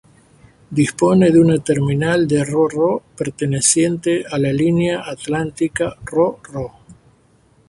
Dispone de una terminal de Ro-Ro perteneciente a la Línea Atlántica Ro-Ro.